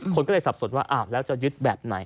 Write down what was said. คนก็เลยสับสนว่าอ้าวแล้วจะยึดแบบไหน